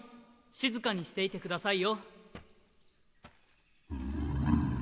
静かにしていてくださいよ。